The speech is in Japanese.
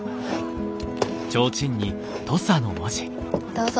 どうぞ。